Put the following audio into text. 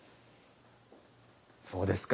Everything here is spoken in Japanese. そうですか。